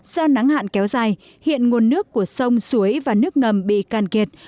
do nắng hạn kéo dài hiện nguồn nước của sông suối và nước ngầm bị can kiệt